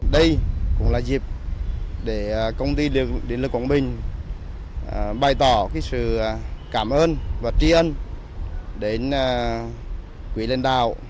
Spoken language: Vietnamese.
đây cũng là dịp để công ty điện lực quảng bình bày tỏ sự cảm ơn và tri ân đến quý lãnh đạo